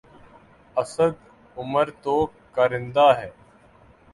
اسد عمر تو کارندہ ہے۔